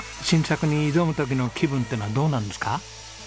新作に挑む時の気分っていうのはどうなんですか？